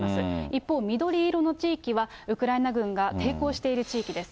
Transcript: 一方、緑色の地域は、ウクライナ軍が抵抗している地域です。